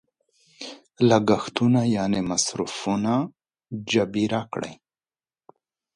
مصرفونه جبیره کړي.